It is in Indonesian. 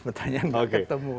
pertanyaan nggak ketemu